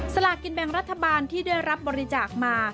สลากินแบ่งรัฐบาลที่ได้รับบริจาคมา